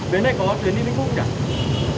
bến này có tuyến đi bến khúc chẳng